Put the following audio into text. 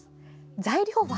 材料は。